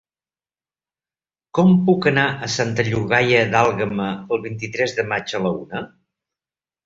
Com puc anar a Santa Llogaia d'Àlguema el vint-i-tres de maig a la una?